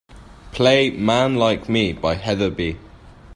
Play Man Like Me by heather b.